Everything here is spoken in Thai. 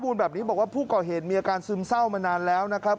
แบบนี้บอกว่าผู้ก่อเหตุมีอาการซึมเศร้ามานานแล้วนะครับ